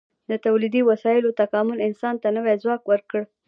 د تولیدي وسایلو تکامل انسان ته نوی ځواک ورکړ.